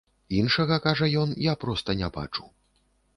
Іншага, кажа ён, я проста не бачу.